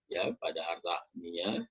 ya pada harta ini ya